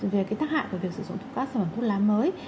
về cái tác hại của việc sử dụng các sản phẩm thuốc lá mới